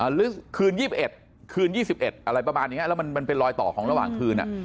หรือคืนยี่สิบเอ็ดคืนยี่สิบเอ็ดอะไรประมาณอย่างเงี้ยแล้วมันเป็นลอยต่อของระหว่างคืน